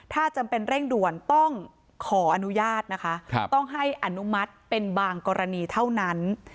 ถ้าจำเป็นเร่งด่วนต้องขออนุญาตนะคะต้องให้อนุมัติเป็นบางกรณีเท่านั้น